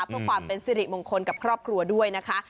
เพื่อความเป็นสิริมงคลกับครอบครัวด้วยนะคะ